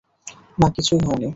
না, কিছুই হয় নি।